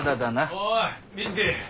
おい！